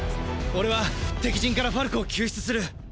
俺は敵陣からファルコを救出する！